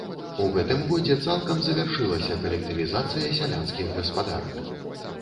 У гэтым годзе цалкам завяршылася калектывізацыя сялянскіх гаспадарак.